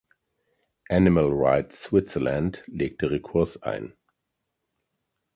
Animal Rights Switzerland legte Rekurs ein.